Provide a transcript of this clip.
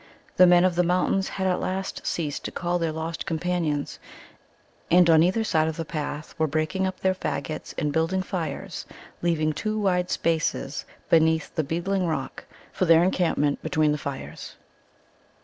The Men of the Mountains had at last ceased to call their lost companions, and on either side of the path were breaking up their faggots and building fires, leaving two wide spaces beneath the beetling rock for their encampment between the fires.